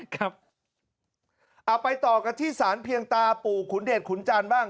เอาไปต่อกันที่สารเพียงตาปู่ขุนเดชขุนจันทร์บ้าง